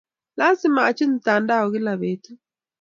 Lasima achut mtandao kila petut